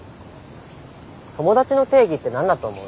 友達の定義って何だと思う？